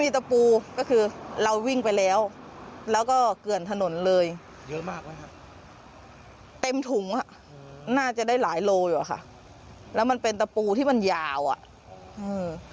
เต็มถุงอ่ะน่าจะได้หลายโลอยู่อ่ะค่ะแล้วมันเป็นตะปูที่มันยาวอ่ะอือ